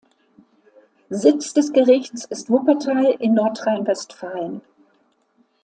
Sitz des Gerichts ist Wuppertal in Nordrhein-Westfalen.